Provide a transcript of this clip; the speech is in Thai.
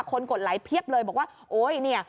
คนกดไลค์เพียบเลยบอกว่าโอ๊ยนี่